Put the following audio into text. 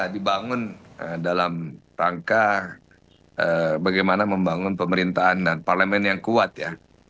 dibangun dalam rangka bagaimana membangun pemerintahan dan parlemen yang kuat ya